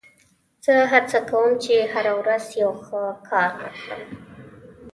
زه هڅه کوم، چي هره ورځ یو ښه کار وکم.